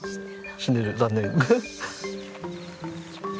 死んでる残念。